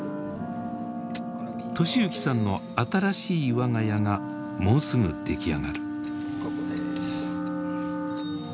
利幸さんの新しい我が家がもうすぐ出来上がる。